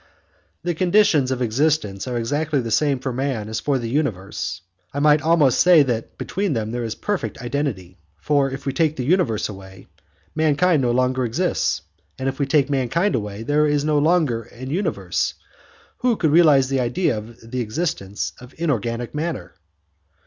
The conditions of existence are exactly the same for man as for the universe, I might almost say that between them there is perfect identity, for if we take the universe away, mankind no longer exists, and if we take mankind away, there is no longer an universe; who could realize the idea of the existence of inorganic matter?